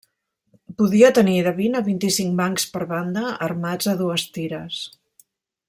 Podia tenir de vint a vint-i-cinc bancs per banda, armats a dues tires.